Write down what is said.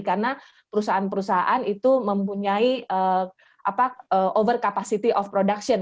karena perusahaan perusahaan itu mempunyai over capacity of production